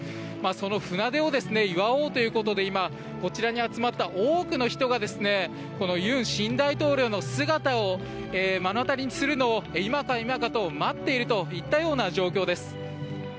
その船出を祝おうということで今、こちらに集まった多くの人が尹新大統領の姿を目の当たりにするのを今か今かと待っているといったような状況です。